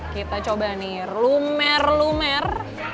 kita coba nih lumer lumer